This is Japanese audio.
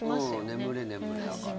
眠れ、眠れだから。